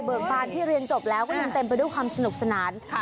บานที่เรียนจบแล้วก็ยังเต็มไปด้วยความสนุกสนาน